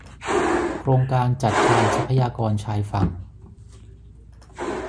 โครงการจัดการทรัพยากรชายฝั่ง